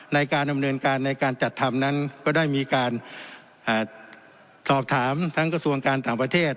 ในการดำเนินการในการจัดทำนั้นก็ได้มีการสอบถามทั้งกระทรวงการต่างประเทศ